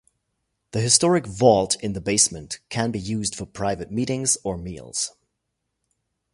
The historic vault in the basement can be used for private meetings or meals.